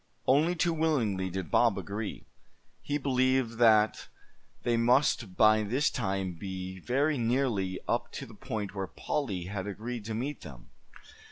Only too willingly did Bob agree. He believed that they must by this time be very nearly up to the point where Polly had agreed to meet them.